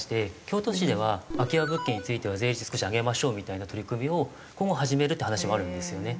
京都市では空き家物件については税率少し上げましょうみたいな取り組みを今後始めるって話もあるんですよね。